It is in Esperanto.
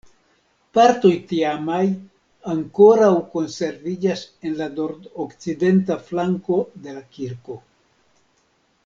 Partoj tiamaj ankoraŭ konserviĝas en la nordokcidenta flanko de la kirko.